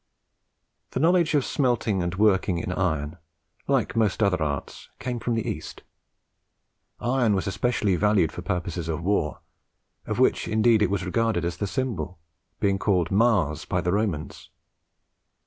The knowledge of smelting and working in iron, like most other arts, came from the East. Iron was especially valued for purposes of war, of which indeed it was regarded as the symbol, being called "Mars" by the Romans.